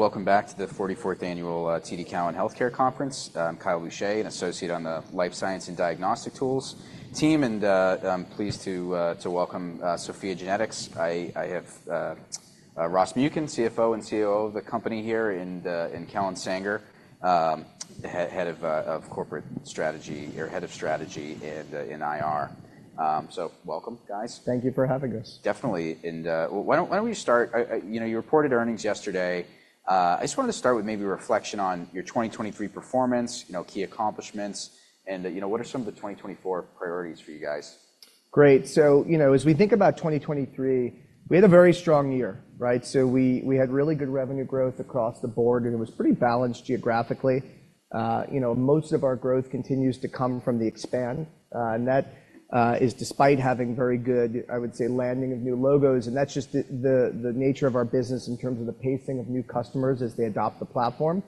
Welcome back to the 44th annual TD Cowen Healthcare Conference. I'm Kyle Boucher, an associate on the Life Science and Diagnostic Tools team, and I'm pleased to welcome SOPHiA GENETICS. I have Ross Muken, CFO and COO of the company here with Kellen Sanger, head of corporate strategy or head of strategy in IR. So welcome, guys. Thank you for having us. Definitely. And why don't we start? You reported earnings yesterday. I just wanted to start with maybe a reflection on your 2023 performance, key accomplishments, and what are some of the 2024 priorities for you guys? Great. So as we think about 2023, we had a very strong year, right? So we had really good revenue growth across the board, and it was pretty balanced geographically. Most of our growth continues to come from the expansion, and that is despite having very good, I would say, landing of new logos. And that's just the nature of our business in terms of the pacing of new customers as they adopt the platform.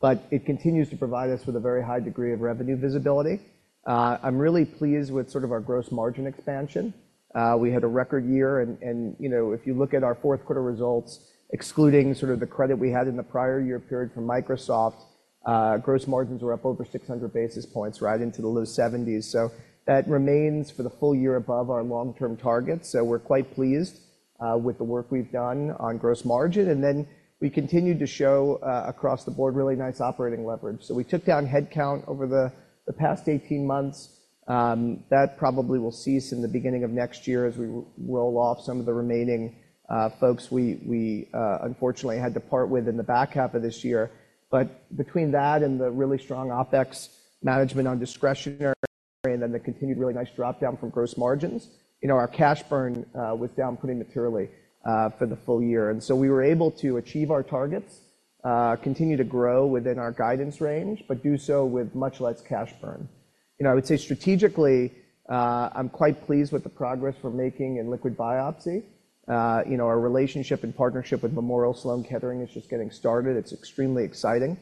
But it continues to provide us with a very high degree of revenue visibility. I'm really pleased with sort of our gross margin expansion. We had a record year. And if you look at our fourth quarter results, excluding sort of the credit we had in the prior year period from Microsoft, gross margins were up over 600 basis points, right, into the low 70s. That remains for the full year above our long-term targets. We're quite pleased with the work we've done on gross margin. We continue to show across the board really nice operating leverage. We took down headcount over the past 18 months. That probably will cease in the beginning of next year as we roll off some of the remaining folks we unfortunately had to part with in the back half of this year. Between that and the really strong OpEx management on discretionary and then the continued really nice dropdown from gross margins, our cash burn was down pretty materially for the full year. We were able to achieve our targets, continue to grow within our guidance range, but do so with much less cash burn. I would say strategically, I'm quite pleased with the progress we're making in liquid biopsy. Our relationship and partnership with Memorial Sloan Kettering is just getting started. It's extremely exciting.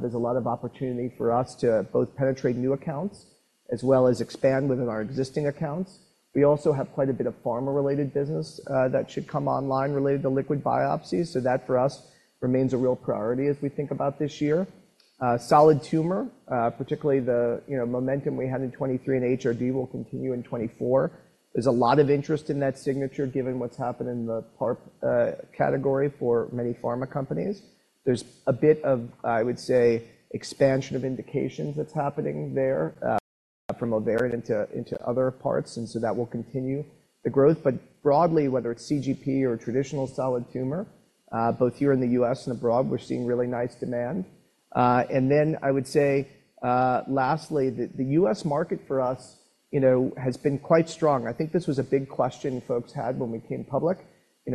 There's a lot of opportunity for us to both penetrate new accounts as well as expand within our existing accounts. We also have quite a bit of pharma-related business that should come online related to liquid biopsies. So that, for us, remains a real priority as we think about this year. Solid tumor, particularly the momentum we had in 2023 and HRD will continue in 2024. There's a lot of interest in that signature given what's happened in the PARP category for many pharma companies. There's a bit of, I would say, expansion of indications that's happening there from ovarian into other parts, and so that will continue the growth. But broadly, whether it's CGP or traditional solid tumor, both here in the U.S. and abroad, we're seeing really nice demand. And then I would say lastly, the U.S. market for us has been quite strong. I think this was a big question folks had when we came public.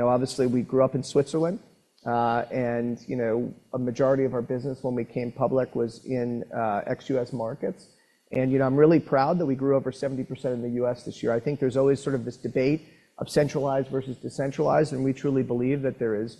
Obviously, we grew up in Switzerland, and a majority of our business when we came public was in ex-U.S. markets. And I'm really proud that we grew over 70% in the U.S. this year. I think there's always sort of this debate of centralized versus decentralized, and we truly believe that there is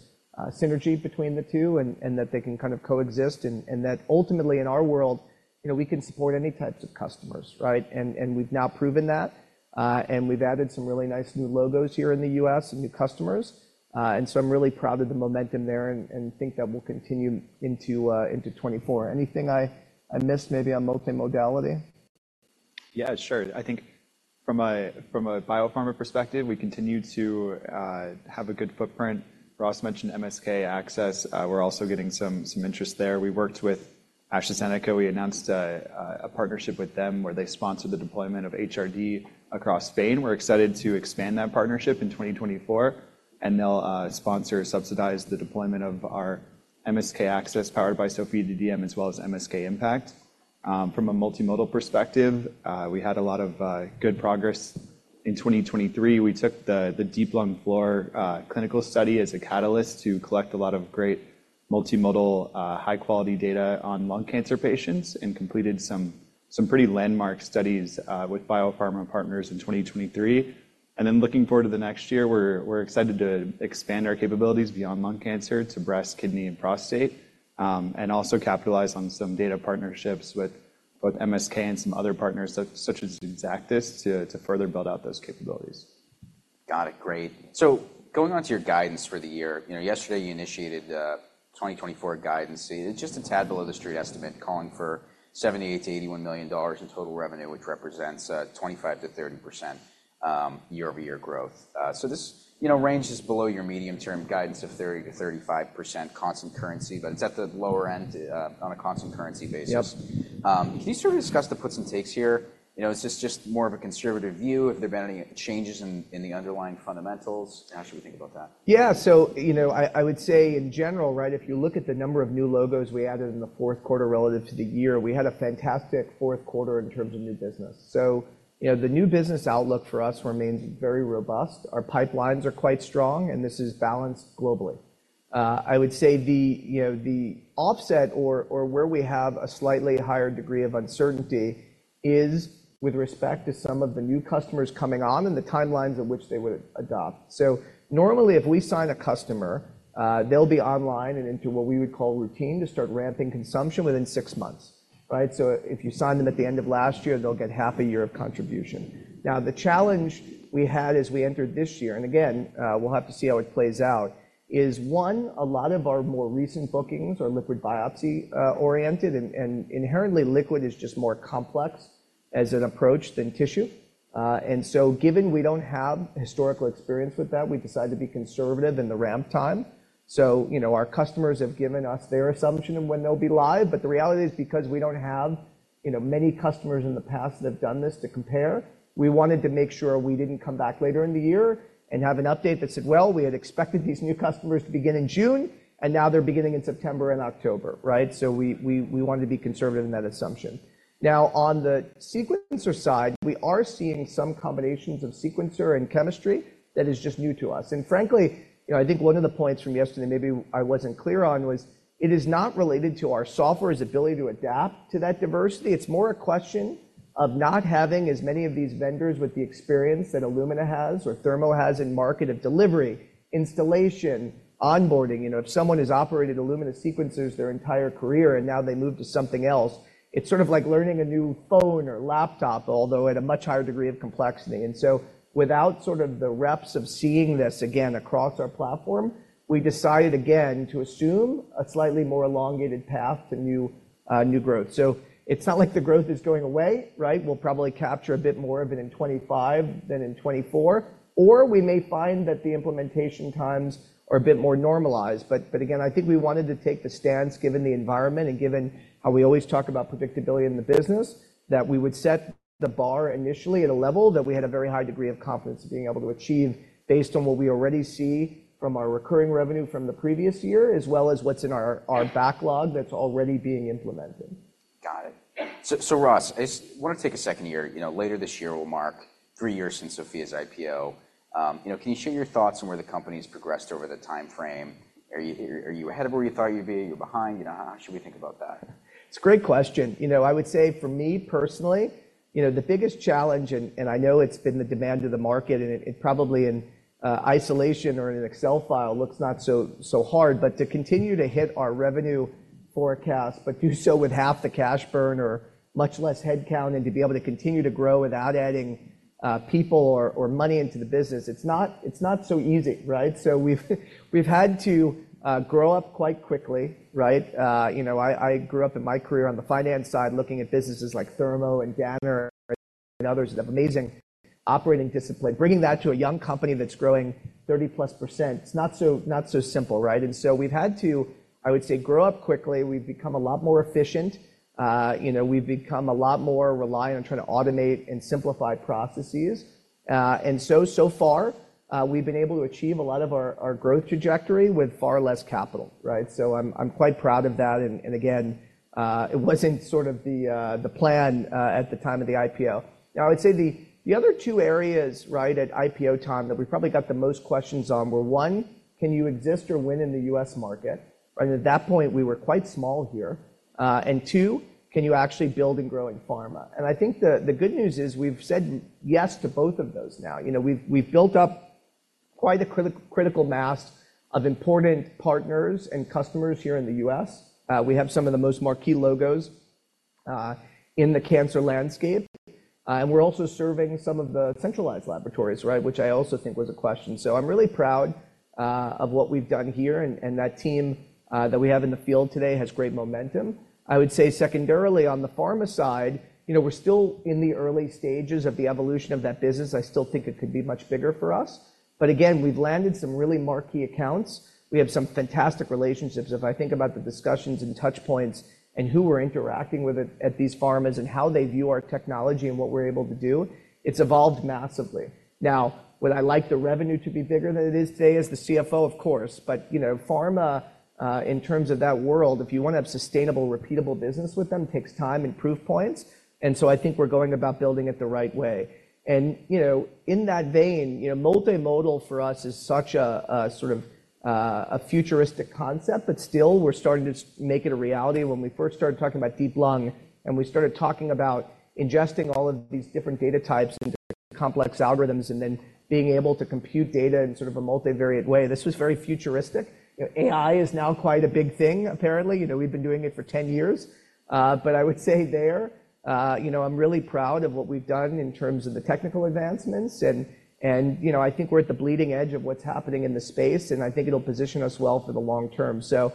synergy between the two and that they can kind of coexist. And that ultimately, in our world, we can support any types of customers, right? And we've now proven that, and we've added some really nice new logos here in the U.S. and new customers. And so I'm really proud of the momentum there and think that will continue into 2024. Anything I missed maybe on multimodality? Yeah, sure. I think from a biopharma perspective, we continue to have a good footprint. Ross mentioned MSK-ACCESS. We're also getting some interest there. We worked with AstraZeneca. We announced a partnership with them where they sponsored the deployment of HRD across Spain. We're excited to expand that partnership in 2024, and they'll sponsor and subsidize the deployment of our MSK-ACCESS powered by SOPHiA DDM as well as MSK-IMPACT. From a multimodal perspective, we had a lot of good progress in 2023. We took the DEEP-Lung-IV clinical study as a catalyst to collect a lot of great multimodal, high-quality data on lung cancer patients and completed some pretty landmark studies with biopharma partners in 2023. Looking forward to the next year, we're excited to expand our capabilities beyond lung cancer to breast, kidney, and prostate, and also capitalize on some data partnerships with both MSK and some other partners such as Exactis to further build out those capabilities. Got it. Great. So going on to your guidance for the year, yesterday you initiated 2024 guidance. It's just a tad below the street estimate, calling for $78-$81 million in total revenue, which represents 25%-30% year-over-year growth. So this range is below your medium-term guidance of 30%-35% constant currency, but it's at the lower end on a constant currency basis. Can you sort of discuss the puts and takes here? Is this just more of a conservative view? Have there been any changes in the underlying fundamentals? How should we think about that? Yeah. So I would say in general, right, if you look at the number of new logos we added in the fourth quarter relative to the year, we had a fantastic fourth quarter in terms of new business. So the new business outlook for us remains very robust. Our pipelines are quite strong, and this is balanced globally. I would say the offset or where we have a slightly higher degree of uncertainty is with respect to some of the new customers coming on and the timelines at which they would adopt. So normally, if we sign a customer, they'll be online and into what we would call routine to start ramping consumption within six months, right? So if you sign them at the end of last year, they'll get half a year of contribution. Now, the challenge we had as we entered this year, and again, we'll have to see how it plays out, is, one, a lot of our more recent bookings are liquid biopsy-oriented, and inherently, liquid is just more complex as an approach than tissue. And so given we don't have historical experience with that, we decided to be conservative in the ramp time. So our customers have given us their assumption of when they'll be live. But the reality is, because we don't have many customers in the past that have done this to compare, we wanted to make sure we didn't come back later in the year and have an update that said, "Well, we had expected these new customers to begin in June, and now they're beginning in September and October," right? So we wanted to be conservative in that assumption. Now, on the sequencer side, we are seeing some combinations of sequencer and chemistry that is just new to us. And frankly, I think one of the points from yesterday maybe I wasn't clear on was it is not related to our software's ability to adapt to that diversity. It's more a question of not having as many of these vendors with the experience that Illumina has or Thermo has in market of delivery, installation, onboarding. If someone has operated Illumina sequencers their entire career and now they move to something else, it's sort of like learning a new phone or laptop, although at a much higher degree of complexity. And so without sort of the reps of seeing this again across our platform, we decided again to assume a slightly more elongated path to new growth. So it's not like the growth is going away, right? We'll probably capture a bit more of it in 2025 than in 2024, or we may find that the implementation times are a bit more normalized. But again, I think we wanted to take the stance, given the environment and given how we always talk about predictability in the business, that we would set the bar initially at a level that we had a very high degree of confidence in being able to achieve based on what we already see from our recurring revenue from the previous year as well as what's in our backlog that's already being implemented. Got it. So Ross, I want to take a second here. Later this year, we'll mark three years since SOPHiA's IPO. Can you share your thoughts on where the company has progressed over the time frame? Are you ahead of where you thought you'd be? Are you behind? How should we think about that? It's a great question. I would say for me personally, the biggest challenge (and I know it's been the demand of the market, and it probably in isolation or in an Excel file looks not so hard) but to continue to hit our revenue forecast but do so with half the cash burn or much less headcount and to be able to continue to grow without adding people or money into the business, it's not so easy, right? So we've had to grow up quite quickly, right? I grew up in my career on the finance side looking at businesses like Thermo and Danaher and others that have amazing operating discipline. Bringing that to a young company that's growing 30%+, it's not so simple, right? And so we've had to, I would say, grow up quickly. We've become a lot more efficient. We've become a lot more reliant on trying to automate and simplify processes. So far, we've been able to achieve a lot of our growth trajectory with far less capital, right? So I'm quite proud of that. And again, it wasn't sort of the plan at the time of the IPO. Now, I would say the other two areas, right, at IPO time that we probably got the most questions on were, one, can you exist or win in the U.S. market? And at that point, we were quite small here. And two, can you actually build and grow in pharma? And I think the good news is we've said yes to both of those now. We've built up quite a critical mass of important partners and customers here in the U.S. We have some of the most marquee logos in the cancer landscape, and we're also serving some of the centralized laboratories, right, which I also think was a question. So I'm really proud of what we've done here, and that team that we have in the field today has great momentum. I would say secondarily, on the pharma side, we're still in the early stages of the evolution of that business. I still think it could be much bigger for us. But again, we've landed some really marquee accounts. We have some fantastic relationships. If I think about the discussions and touchpoints and who we're interacting with at these pharmas and how they view our technology and what we're able to do, it's evolved massively. Now, would I like the revenue to be bigger than it is today as the CFO? Of course. But pharma, in terms of that world, if you want to have sustainable, repeatable business with them, takes time and proof points. And so I think we're going about building it the right way. And in that vein, multimodal for us is such a sort of a futuristic concept, but still, we're starting to make it a reality. When we first started talking about DEEP-Lung and we started talking about ingesting all of these different data types into complex algorithms and then being able to compute data in sort of a multivariate way, this was very futuristic. AI is now quite a big thing, apparently. We've been doing it for 10 years. But I would say there, I'm really proud of what we've done in terms of the technical advancements. I think we're at the bleeding edge of what's happening in the space, and I think it'll position us well for the long term. So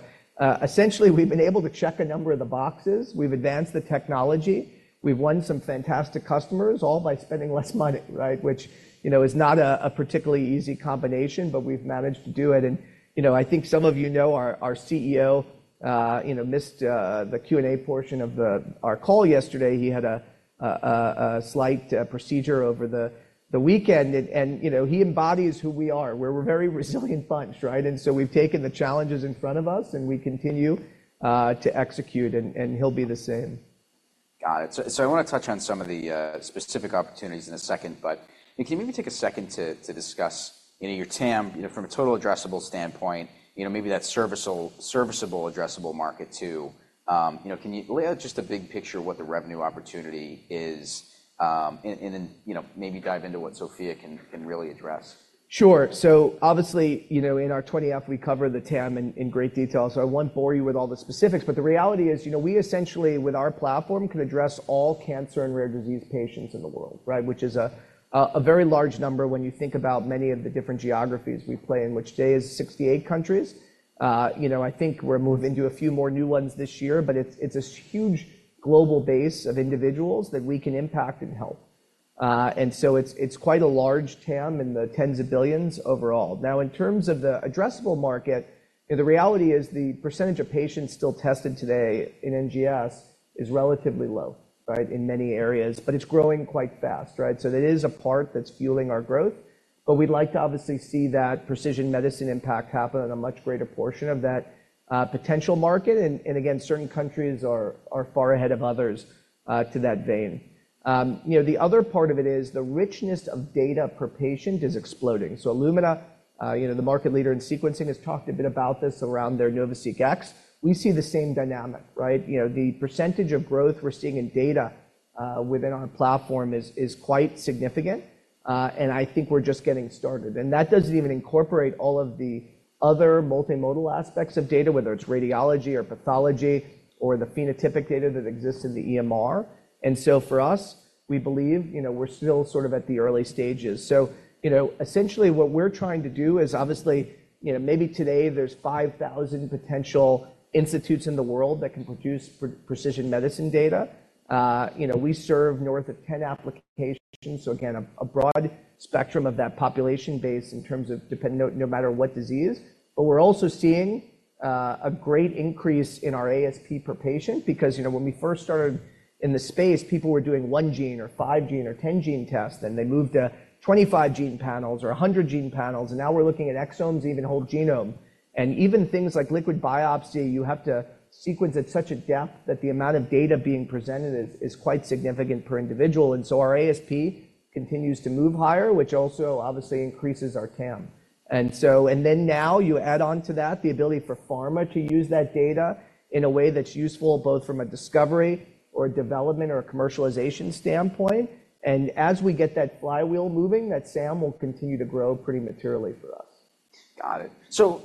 essentially, we've been able to check a number of the boxes. We've advanced the technology. We've won some fantastic customers all by spending less money, right, which is not a particularly easy combination, but we've managed to do it. And I think some of you know our CEO missed the Q&A portion of our call yesterday. He had a slight procedure over the weekend, and he embodies who we are. We're a very resilient bunch, right? And so we've taken the challenges in front of us, and we continue to execute, and he'll be the same. Got it. So I want to touch on some of the specific opportunities in a second, but can you maybe take a second to discuss your TAM from a total addressable standpoint, maybe that serviceable addressable market too? Can you lay out just a big picture of what the revenue opportunity is, and then maybe dive into what SOPHiA can really address? Sure. So obviously, in our 20-F, we cover the TAM in great detail. So I won't bore you with all the specifics. But the reality is we essentially, with our platform, can address all cancer and rare disease patients in the world, right, which is a very large number when you think about many of the different geographies we play in, which today is 68 countries. I think we're moving into a few more new ones this year, but it's a huge global base of individuals that we can impact and help. And so it's quite a large TAM in the tens of billions overall. Now, in terms of the addressable market, the reality is the percentage of patients still tested today in NGS is relatively low, right, in many areas, but it's growing quite fast, right? So that is a part that's fueling our growth. But we'd like to obviously see that precision medicine impact happen on a much greater portion of that potential market. And again, certain countries are far ahead of others in that vein. The other part of it is the richness of data per patient is exploding. So Illumina, the market leader in sequencing, has talked a bit about this around their NovaSeq X. We see the same dynamic, right? The percentage of growth we're seeing in data within our platform is quite significant, and I think we're just getting started. And that doesn't even incorporate all of the other multimodal aspects of data, whether it's radiology or pathology or the phenotypic data that exists in the EMR. And so for us, we believe we're still sort of at the early stages. So essentially, what we're trying to do is obviously, maybe today there's 5,000 potential institutes in the world that can produce precision medicine data. We serve north of 10 applications. So again, a broad spectrum of that population base in terms of no matter what disease. But we're also seeing a great increase in our ASP per patient because when we first started in the space, people were doing one gene or five gene or 10 gene tests, then they moved to 25 gene panels or 100 gene panels, and now we're looking at exomes, even whole genomes. And even things like liquid biopsy, you have to sequence at such a depth that the amount of data being presented is quite significant per individual. And so our ASP continues to move higher, which also obviously increases our TAM. And then now you add on to that the ability for pharma to use that data in a way that's useful both from a discovery or a development or a commercialization standpoint. And as we get that flywheel moving, that SAM will continue to grow pretty materially for us. Got it. So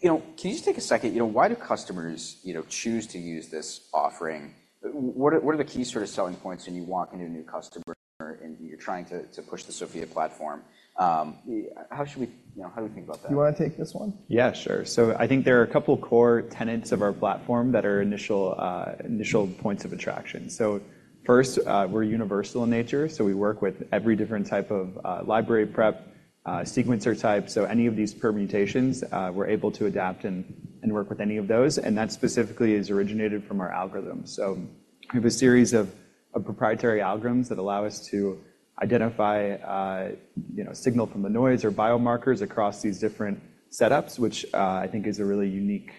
can you just take a second? Why do customers choose to use this offering? What are the key sort of selling points when you walk into a new customer and you're trying to push the SOPHiA platform? How should we how do we think about that? Do you want to take this one? Yeah, sure. So I think there are a couple of core tenets of our platform that are initial points of attraction. So first, we're universal in nature. So we work with every different type of library prep, sequencer type. So any of these permutations, we're able to adapt and work with any of those. And that specifically is originated from our algorithms. So we have a series of proprietary algorithms that allow us to identify signal from the noise or biomarkers across these different setups, which I think is a really unique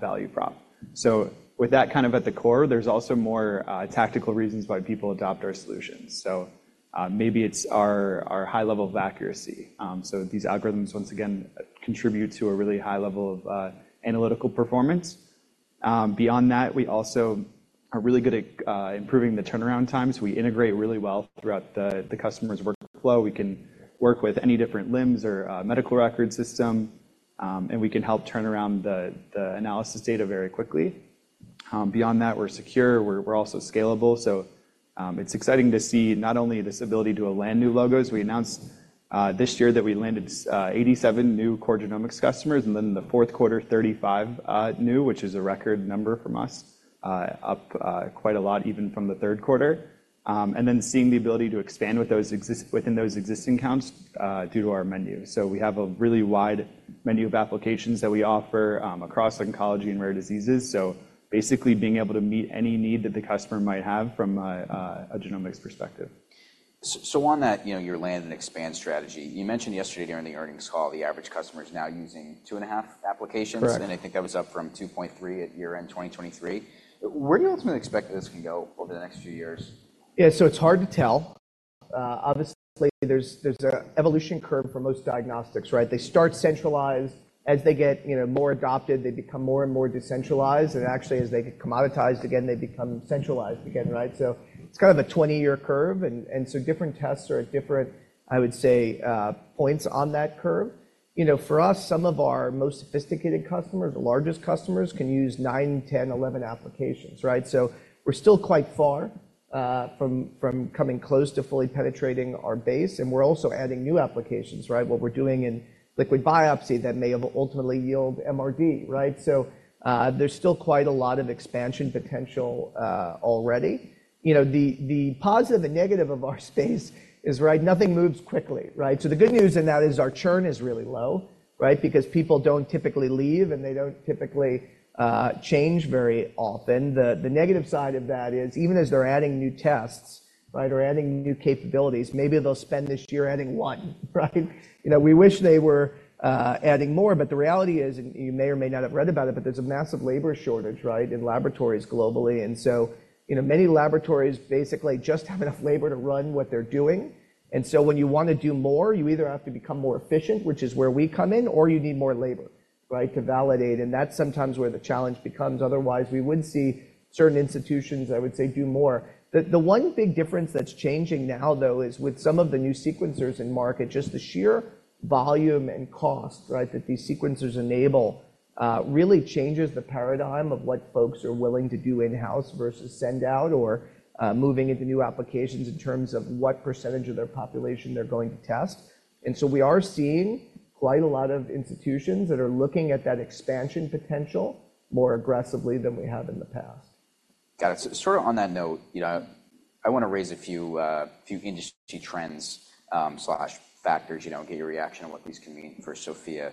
value prop. So with that kind of at the core, there's also more tactical reasons why people adopt our solutions. So maybe it's our high level of accuracy. So these algorithms, once again, contribute to a really high level of analytical performance. Beyond that, we also are really good at improving the turnaround times. We integrate really well throughout the customer's workflow. We can work with any different LIMS or medical record system, and we can help turn around the analysis data very quickly. Beyond that, we're secure. We're also scalable. So it's exciting to see not only this ability to land new logos. We announced this year that we landed 87 new Core Genomics customers, and then in the fourth quarter, 35 new, which is a record number from us, up quite a lot even from the third quarter. And then seeing the ability to expand within those existing counts due to our menu. So we have a really wide menu of applications that we offer across oncology and rare diseases. So basically, being able to meet any need that the customer might have from a genomics perspective. So on that, your land and expand strategy, you mentioned yesterday during the earnings call, the average customer is now using 2.5 applications. And I think that was up from 2.3 at year-end 2023. Where do you ultimately expect this can go over the next few years? Yeah, so it's hard to tell. Obviously, there's an evolution curve for most diagnostics, right? They start centralized. As they get more adopted, they become more and more decentralized. And actually, as they get commoditized again, they become centralized again, right? So it's kind of a 20-year curve. And so different tests are at different, I would say, points on that curve. For us, some of our most sophisticated customers, the largest customers, can use 9, 10, 11 applications, right? So we're still quite far from coming close to fully penetrating our base. And we're also adding new applications, right? What we're doing in liquid biopsy that may ultimately yield MRD, right? So there's still quite a lot of expansion potential already. The positive and negative of our space is, right, nothing moves quickly, right? So the good news in that is our churn is really low, right, because people don't typically leave and they don't typically change very often. The negative side of that is, even as they're adding new tests, right, or adding new capabilities, maybe they'll spend this year adding one, right? We wish they were adding more, but the reality is, and you may or may not have read about it, but there's a massive labor shortage, right, in laboratories globally. And so many laboratories basically just have enough labor to run what they're doing. And so when you want to do more, you either have to become more efficient, which is where we come in, or you need more labor, right, to validate. And that's sometimes where the challenge becomes. Otherwise, we would see certain institutions, I would say, do more. The one big difference that's changing now, though, is with some of the new sequencers in market, just the sheer volume and cost, right, that these sequencers enable really changes the paradigm of what folks are willing to do in-house versus send out or moving into new applications in terms of what percentage of their population they're going to test. And so we are seeing quite a lot of institutions that are looking at that expansion potential more aggressively than we have in the past. Got it. So sort of on that note, I want to raise a few industry trends/factors, get your reaction on what these can mean for SOPHiA.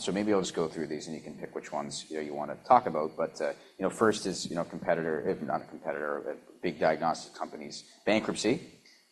So maybe I'll just go through these and you can pick which ones you want to talk about. But first is competitor, if not a competitor, big diagnostic companies, bankruptcy,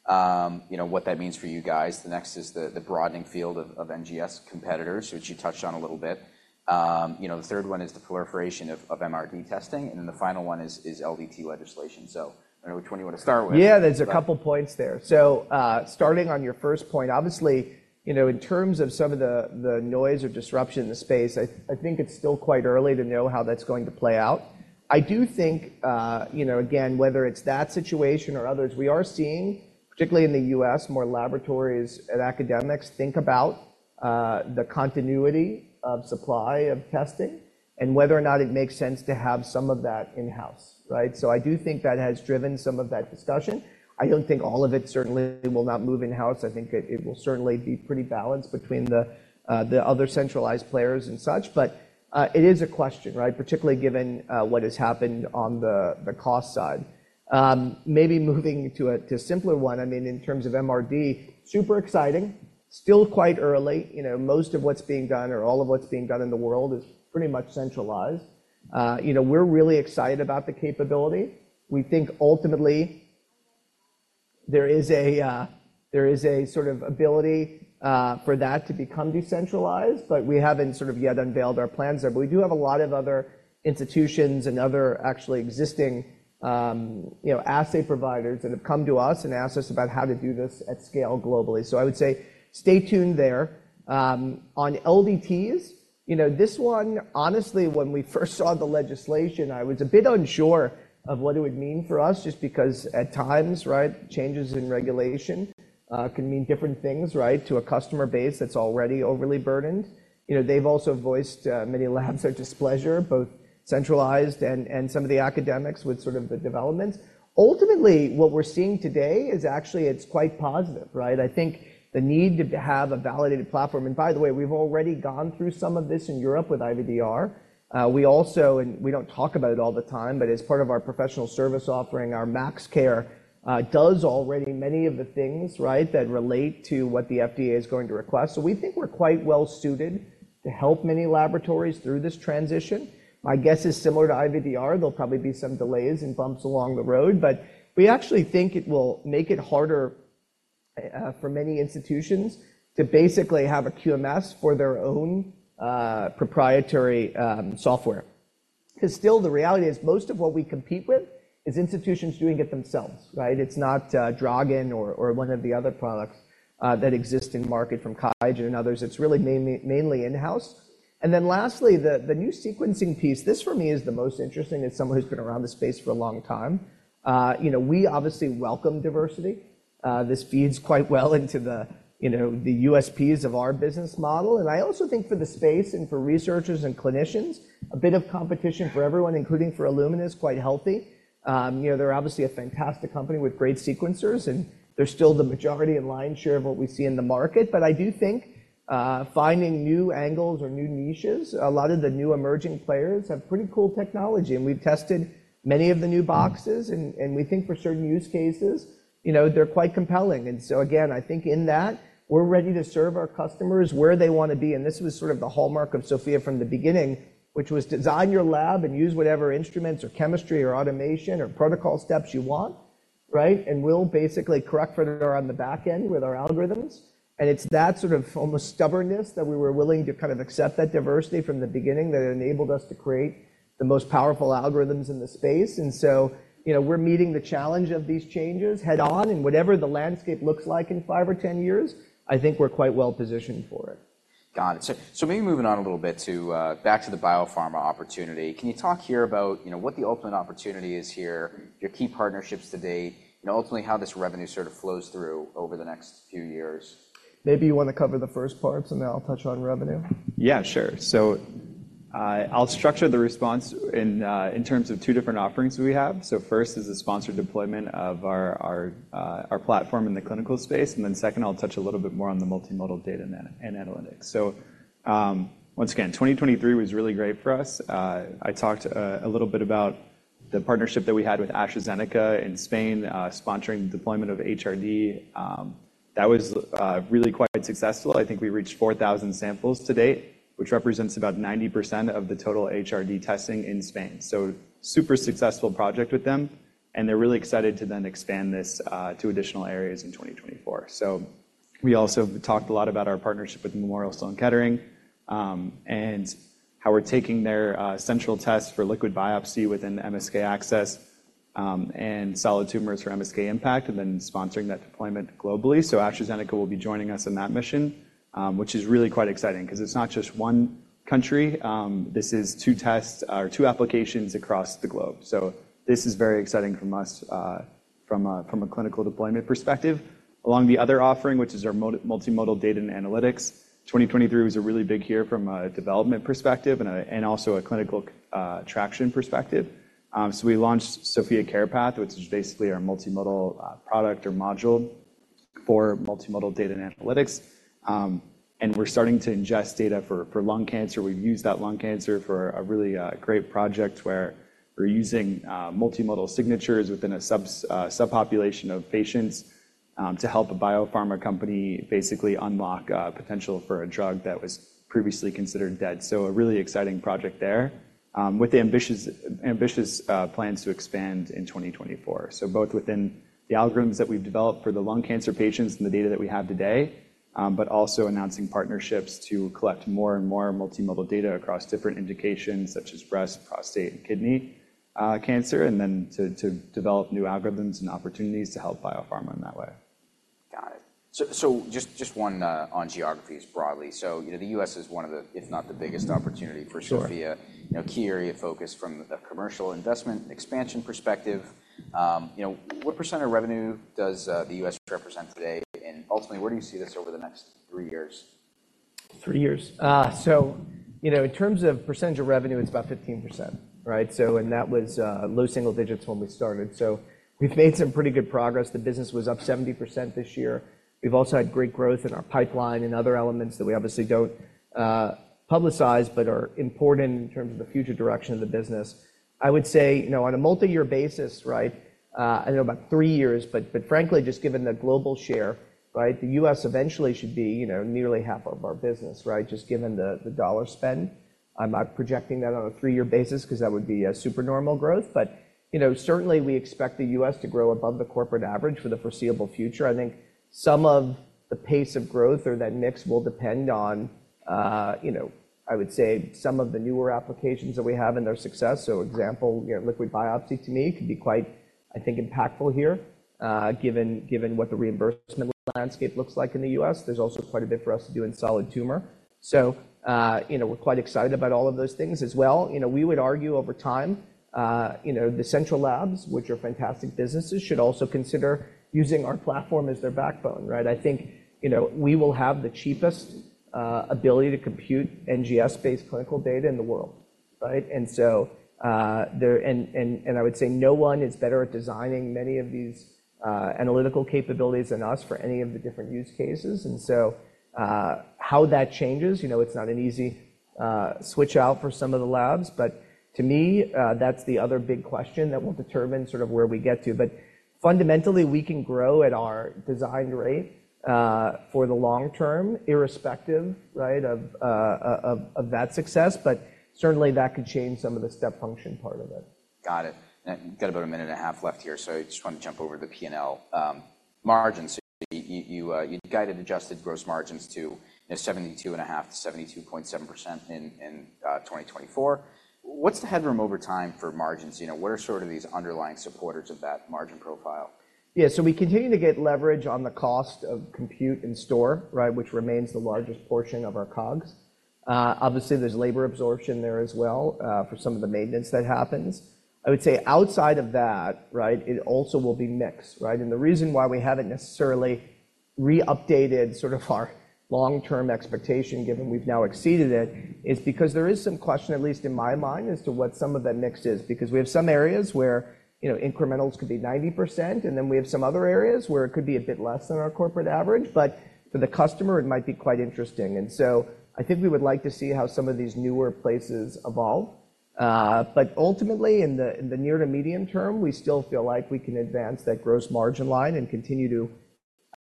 what that means for you guys. The next is the broadening field of NGS competitors, which you touched on a little bit. The third one is the proliferation of MRD testing. And then the final one is LDT legislation. So I don't know which one you want to start with? Yeah, there's a couple of points there. So starting on your first point, obviously, in terms of some of the noise or disruption in the space, I think it's still quite early to know how that's going to play out. I do think, again, whether it's that situation or others, we are seeing, particularly in the U.S., more laboratories and academics think about the continuity of supply of testing and whether or not it makes sense to have some of that in-house, right? So I do think that has driven some of that discussion. I don't think all of it certainly will not move in-house. I think it will certainly be pretty balanced between the other centralized players and such. But it is a question, right, particularly given what has happened on the cost side. Maybe moving to a simpler one. I mean, in terms of MRD, super exciting, still quite early. Most of what's being done or all of what's being done in the world is pretty much centralized. We're really excited about the capability. We think ultimately there is a sort of ability for that to become decentralized, but we haven't sort of yet unveiled our plans there. But we do have a lot of other institutions and other actually existing assay providers that have come to us and asked us about how to do this at scale globally. So I would say stay tuned there. On LDTs, this one, honestly, when we first saw the legislation, I was a bit unsure of what it would mean for us just because at times, right, changes in regulation can mean different things, right, to a customer base that's already overly burdened. They've also voiced many labs' displeasure, both centralized and some of the academics with sort of the developments. Ultimately, what we're seeing today is actually it's quite positive, right? I think the need to have a validated platform. And by the way, we've already gone through some of this in Europe with IVDR. We also—and we don't talk about it all the time—but as part of our professional service offering, our MaxCare does already many of the things, right, that relate to what the FDA is going to request. So we think we're quite well-suited to help many laboratories through this transition. My guess is similar to IVDR. There'll probably be some delays and bumps along the road, but we actually think it will make it harder for many institutions to basically have a QMS for their own proprietary software. Because still, the reality is most of what we compete with is institutions doing it themselves, right? It's not DRAGN or one of the other products that exist in market from QIAGEN and others. It's really mainly in-house. And then lastly, the new sequencing piece, this for me is the most interesting as someone who's been around the space for a long time. We obviously welcome diversity. This feeds quite well into the USPs of our business model. And I also think for the space and for researchers and clinicians, a bit of competition for everyone, including for Illumina, is quite healthy. They're obviously a fantastic company with great sequencers, and they're still the majority and lion's share of what we see in the market. But I do think finding new angles or new niches, a lot of the new emerging players have pretty cool technology, and we've tested many of the new boxes. And we think for certain use cases, they're quite compelling. And so again, I think in that, we're ready to serve our customers where they want to be. And this was sort of the hallmark of SOPHiA from the beginning, which was design your lab and use whatever instruments or chemistry or automation or protocol steps you want, right? And we'll basically correct for it on the back end with our algorithms. It's that sort of almost stubbornness that we were willing to kind of accept that diversity from the beginning that enabled us to create the most powerful algorithms in the space. So we're meeting the challenge of these changes head-on. Whatever the landscape looks like in five or 10 years, I think we're quite well-positioned for it. Got it. So maybe moving on a little bit back to the biopharma opportunity, can you talk here about what the ultimate opportunity is here, your key partnerships to date, and ultimately how this revenue sort of flows through over the next few years? Maybe you want to cover the first part, and then I'll touch on revenue. Yeah, sure. So I'll structure the response in terms of two different offerings we have. So first is the sponsored deployment of our platform in the clinical space. And then second, I'll touch a little bit more on the multimodal data and analytics. So once again, 2023 was really great for us. I talked a little bit about the partnership that we had with AstraZeneca in Spain sponsoring the deployment of HRD. That was really quite successful. I think we reached 4,000 samples to date, which represents about 90% of the total HRD testing in Spain. So super successful project with them. And they're really excited to then expand this to additional areas in 2024. So we also talked a lot about our partnership with Memorial Sloan Kettering and how we're taking their central tests for liquid biopsy within the MSK-ACCESS and solid tumors for MSK-IMPACT and then sponsoring that deployment globally. So AstraZeneca will be joining us in that mission, which is really quite exciting because it's not just one country. This is two tests or two applications across the globe. So this is very exciting from us from a clinical deployment perspective. Along the other offering, which is our multimodal data and analytics, 2023 was a really big year from a development perspective and also a clinical traction perspective. So we launched SOPHiA CarePath, which is basically our multimodal product or module for multimodal data and analytics. And we're starting to ingest data for lung cancer. We've used that lung cancer for a really great project where we're using multimodal signatures within a subpopulation of patients to help a biopharma company basically unlock potential for a drug that was previously considered dead. So a really exciting project there with ambitious plans to expand in 2024. So both within the algorithms that we've developed for the lung cancer patients and the data that we have today, but also announcing partnerships to collect more and more multimodal data across different indications such as breast, prostate, and kidney cancer, and then to develop new algorithms and opportunities to help biopharma in that way. Got it. So just one on geographies broadly. So the U.S. is one of the, if not the biggest opportunity for SOPHiA. Key area of focus from a commercial investment expansion perspective. What % of revenue does the U.S. represent today? And ultimately, where do you see this over the next three years? Three years. So in terms of percentage of revenue, it's about 15%, right? And that was low single digits when we started. So we've made some pretty good progress. The business was up 70% this year. We've also had great growth in our pipeline and other elements that we obviously don't publicize but are important in terms of the future direction of the business. I would say on a multi-year basis, right, I don't know about three years, but frankly, just given the global share, right, the U.S. eventually should be nearly half of our business, right, just given the dollar spend. I'm not projecting that on a three-year basis because that would be supernormal growth. But certainly, we expect the U.S. to grow above the corporate average for the foreseeable future. I think some of the pace of growth or that mix will depend on, I would say, some of the newer applications that we have and their success. So example, liquid biopsy to me could be quite, I think, impactful here given what the reimbursement landscape looks like in the U.S. There's also quite a bit for us to do in solid Tumor. So we're quite excited about all of those things as well. We would argue over time, the central labs, which are fantastic businesses, should also consider using our platform as their backbone, right? I think we will have the cheapest ability to compute NGS-based clinical data in the world, right? And I would say no one is better at designing many of these analytical capabilities than us for any of the different use cases. And so how that changes, it's not an easy switch out for some of the labs. But to me, that's the other big question that will determine sort of where we get to. But fundamentally, we can grow at our designed rate for the long term, irrespective, right, of that success. But certainly, that could change some of the step function part of it. Got it. Got about a minute and a half left here. So I just want to jump over to the P&L margins. So you guided adjusted gross margins to 72.5%-72.7% in 2024. What's the headroom over time for margins? What are sort of these underlying supporters of that margin profile? Yeah. So we continue to get leverage on the cost of compute and store, right, which remains the largest portion of our COGS. Obviously, there's labor absorption there as well for some of the maintenance that happens. I would say outside of that, right, it also will be mixed, right? And the reason why we haven't necessarily re-updated sort of our long-term expectation, given we've now exceeded it, is because there is some question, at least in my mind, as to what some of that mix is. Because we have some areas where incrementals could be 90%, and then we have some other areas where it could be a bit less than our corporate average. But for the customer, it might be quite interesting. And so I think we would like to see how some of these newer places evolve. But ultimately, in the near to medium term, we still feel like we can advance that gross margin line and continue to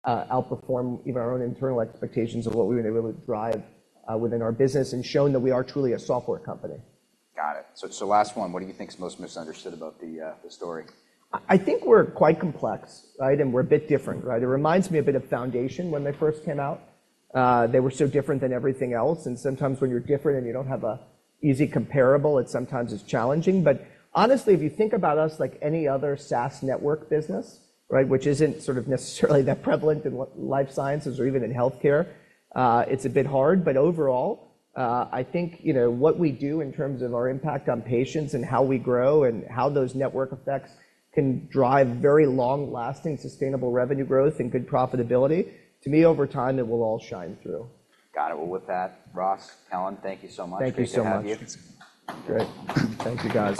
outperform even our own internal expectations of what we're going to be able to drive within our business and showing that we are truly a software company. Got it. So last one, what do you think's most misunderstood about the story? I think we're quite complex, right, and we're a bit different, right? It reminds me a bit of Foundation when they first came out. They were so different than everything else. And sometimes when you're different and you don't have an easy comparable, it sometimes is challenging. But honestly, if you think about us like any other SaaS network business, right, which isn't sort of necessarily that prevalent in life sciences or even in healthcare, it's a bit hard. But overall, I think what we do in terms of our impact on patients and how we grow and how those network effects can drive very long-lasting sustainable revenue growth and good profitability, to me, over time, it will all shine through. Got it. Well, with that, Ross, Kellen, thank you so much. Great to have you. Thank you so much.